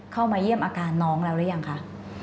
เข้ามาเยี่ยมอาการน้องแล้วหรือยังคะ